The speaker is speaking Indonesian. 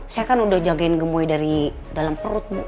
saya kan udah jagain gemui dari dalam perut bu